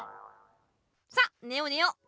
さっねようねよう！